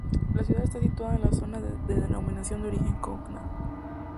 La ciudad está situada en la zona de denominación de origen Cognac.